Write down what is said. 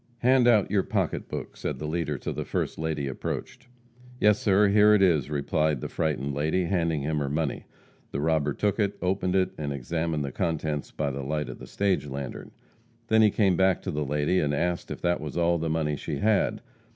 "Hand out your pocketbook," said the leader to the first lady approached. "Yes, sir, here it is," replied the frightened lady, handing him her money. The robber took it, opened it, and examined the contents by the light of the stage lantern. Then he came back to the lady, and asked if that was all the money she had.